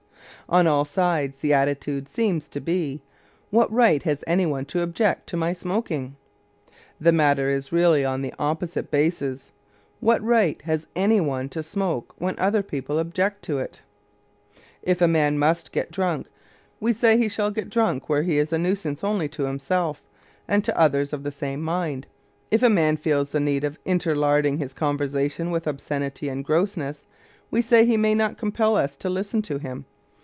On all sides the attitude seems to be, "What right has any one to object to my smoking?" The matter is really on just the opposite basis, "What right has any one to smoke when other people object to it?" If a man must get drunk, we say he shall get drunk where he is a nuisance only to himself and to others of the same mind. If a man feels the need of interlarding his conversation with obscenity and grossness, we say he may not compel us to listen to him.